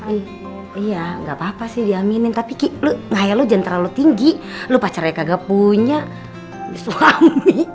iya nggak papa sih diaminin tapi kaya lu jangan terlalu tinggi lu pacarnya kagak punya suami